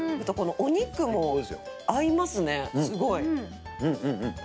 お肉も合いますね、すごい。